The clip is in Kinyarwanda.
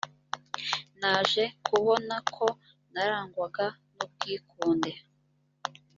naje kubona ko narangwaga n’ubwikunde